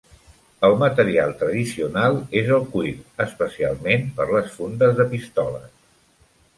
El material tradicional és el cuir, especialment per les fundes de pistoles.